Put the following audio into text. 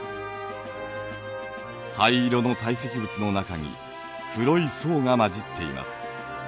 灰色の堆積物の中に黒い層が交じっています。